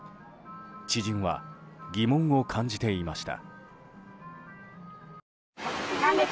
知人は、疑問を感じていました。